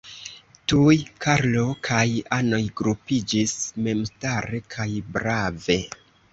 Tuj Karlo kaj anoj grupiĝis, memstare kaj brave.